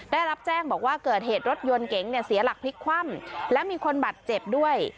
ได้รับแจ้งบอกว่าเกิดเหตุรถยนต์เก๋งเนี่ยเสียหลักพลิกคว่ำและมีคนบาดเจ็บด้วย